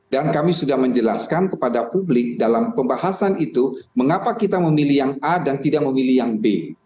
dan kami sudah menjelaskan kepada publik dalam pembahasan itu mengapa kita memilih yang a dan tidak memilih yang b